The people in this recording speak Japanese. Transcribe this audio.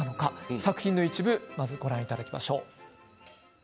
作品の一部まずご覧いただきましょう。